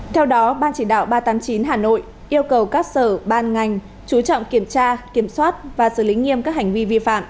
theo đó ban chỉ đạo ba trăm tám mươi chín hà nội yêu cầu các sở ban ngành chú trọng kiểm tra kiểm soát và xử lý nghiêm các hành vi vi phạm